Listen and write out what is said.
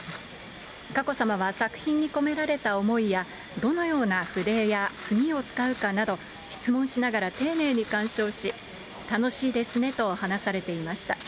佳子さまは作品に込められた思いやどのような筆や墨を使うかなど、質問しながら丁寧に鑑賞し、楽しいですねと話されていました。